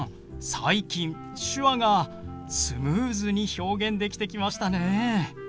最近手話がスムーズに表現できてきましたね。